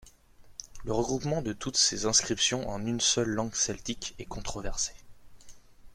Le regroupement de toutes ces inscriptions en une seule langue celtique est controversé.